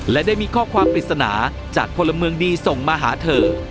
และได้มีข้อความปริศนาจากพลเมืองดีส่งมาหาเธอ